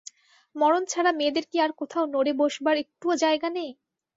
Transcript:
মরণ ছাড়া মেয়েদের কি আর কোথাও নড়ে বসবার একটুও জায়গা নেই?